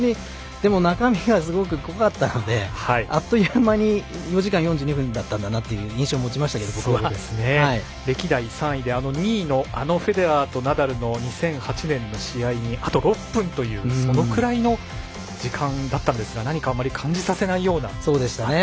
中身がすごく濃かったのであっという間に４時間４２分だったんだなという歴代３位で２位のフェデラーとナダルのあの２００８年の試合にあと６分というそのくらいの時間だったんですが何かあんまり感じさせないような。